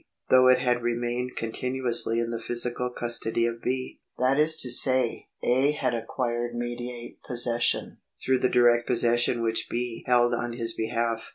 though it had remained continuously in the physical custody of B. That is to say, A. had acquired mediate possession, through the direct possession which B. held on his behalf.